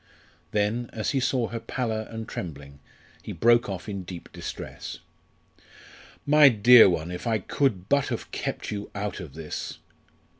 Then, as he saw her pallor and trembling, he broke off in deep distress. "My dear one, if I could but have kept you out of this!"